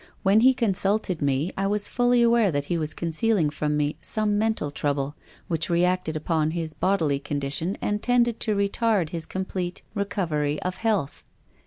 . When he consulted me I was fully aware that he was con cealing from me some mental trouble, which reacted upon his bodily condition and tended to retard his complete recovery of health.